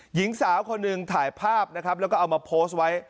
หญิงสาวคนหนึ่งถ่ายภาพนะครับแล้วก็เอามาโพสต์ไว้